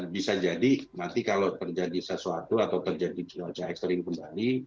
bisa jadi nanti kalau terjadi sesuatu atau terjadi cuaca ekstrim kembali